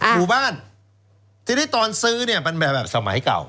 หมู่บ้านทีนี้ตอนซื้อเนี่ยมันแบบสมัยเก่า